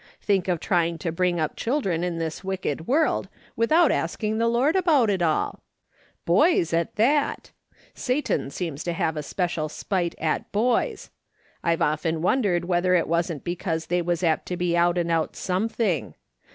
Think of trying to bring up children in this wicked world without asking the Lord about it all ! Boys at that ! Satan seems to have a special spite at boys ; I've often wondered whether it wasn't because they was apt to be out and out something.